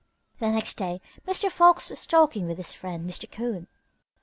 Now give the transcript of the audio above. The next day Mr. Fox was talking with his friend, Mr. Coon.